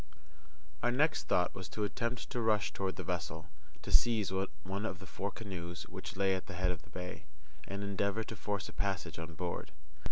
Our next thought was to attempt to rush toward the vessel, to seize one of the four canoes which lay at the head of the bay, and endeavour to force a passage on board.